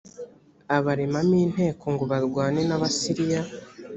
abaremamo inteko ngo barwane n abasiriya